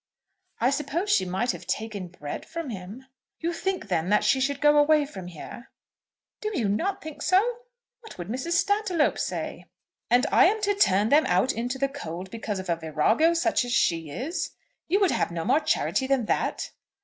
"I suppose she might have taken bread from him." "You think, then, that she should go away from here?" "Do not you think so? What will Mrs. Stantiloup say?" "And I am to turn them out into the cold because of a virago such as she is? You would have no more charity than that?"